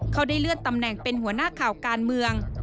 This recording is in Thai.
เขาได้เลื่อนตำแหน่งเป็นหัวหน้าข่าวการเมือง